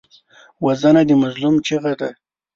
وژنه د مظلوم چیغه ده